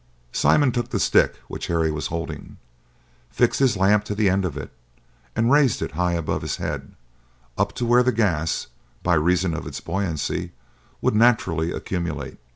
Simon took the stick which Harry was holding, fixed his lamp to the end of it, and raised it high above his head, up to where the gas, by reason of its buoyancy, would naturally accumulate.